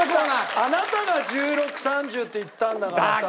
あなたが１６３０って言ったんだからさ。